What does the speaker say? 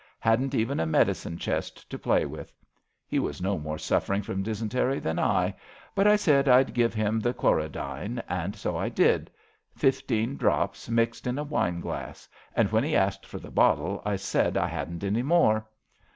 Hadn't even a medicine chest to play with. He was no more suffering from dysentery than I, but I said I'd give him the chlorodyne, and so I did — ^fifteen drops, mixed in 124 ABAFT THE FUNNEL a wine glass, and when he asked for the bottle I said that I hadn't any more.